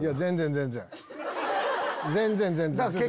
全然全然。